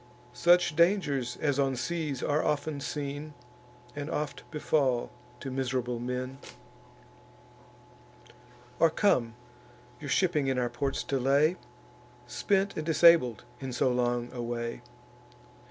Such dangers as on seas are often seen, And oft befall to miserable men, Or come, your shipping in our ports to lay, Spent and disabled in so long a way?